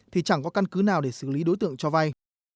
thì chẳng có căn cứ nào để xử lý đối tượng cho vay